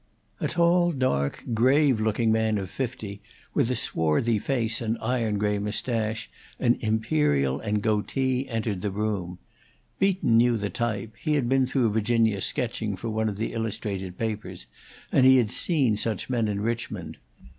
A tall, dark, grave looking man of fifty, with a swarthy face and iron gray mustache and imperial and goatee, entered the room. Beaton knew the type; he had been through Virginia sketching for one of the illustrated papers, and he had seen such men in Richmond.